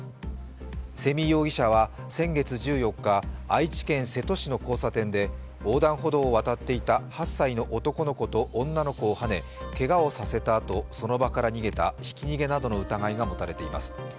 瀬見井容疑者は先月１４日、愛知県瀬戸市の交差点で横断歩道を渡っていた８歳の男の子と女の子をはね、けがをさせたあと、その場から逃げたひき逃げなどの疑いが持たれています。